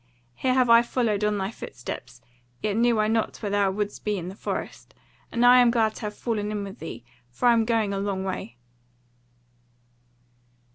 Here have I followed on thy footsteps; yet knew I not where thou wouldst be in the forest. And now I am glad to have fallen in with thee; for I am going a long way."